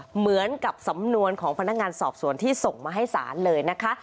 เหมือนกับสำนวนของพนักงานสอบสวนที่ส่งมาให้ศาลเลยนะคะ